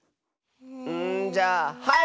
んじゃあはい！